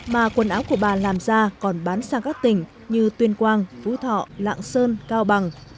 mà quần áo của bà làm ra còn bán sang các tỉnh như tuyên quang phú thọ lạng sơn cao bằng